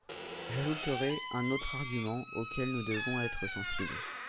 J’ajouterai un autre argument auquel nous devons être sensibles.